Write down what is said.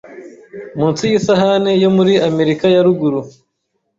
munsi yisahani yo muri Amerika ya ruguru